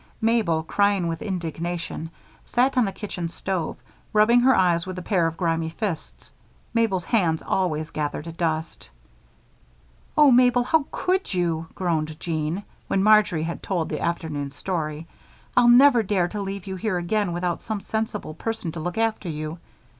Mabel, crying with indignation, sat on the kitchen stove rubbing her eyes with a pair of grimy fists Mabel's hands always gathered dust. "Oh, Mabel! how could you!" groaned Jean, when Marjory had told the afternoon's story. "I'll never dare to leave you here again without some sensible person to look after you.